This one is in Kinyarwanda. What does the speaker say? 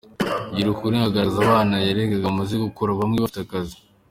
Ngirankugire agaragaza abana yareraga bamaze gukura, bamwe bafite akazi.